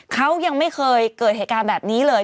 เขายังไม่เคยเกิดเหตุการณ์แบบนี้เลย